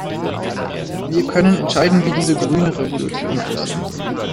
Wir können entscheiden, wie diese grüne Revolution aussehen soll.